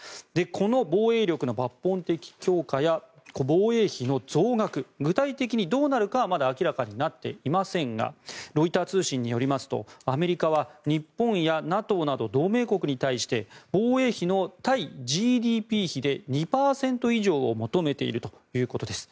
この防衛力の抜本的強化や防衛費の増額具体的にどうなるかはまだ明らかになっていませんがロイター通信によりますとアメリカは日本やＮＡＴＯなど同盟国に対して防衛費の対ＧＤＰ比で２％以上を求めているということです。